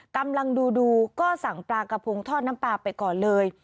กำลังดูก็สั่งปลากระพงทอดน้ำปลาไปก่อนเลย